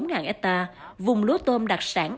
một mươi bốn hectare vùng lúa tôm đặc sản